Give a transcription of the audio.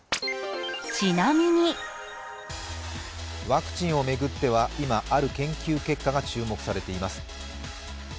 ワクチンを巡っては、今、ある研究結果が注目されています。